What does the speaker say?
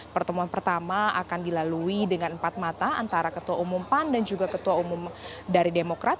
pertemuan pertama akan dilalui dengan empat mata antara ketua umum pan dan juga ketua umum dari demokrat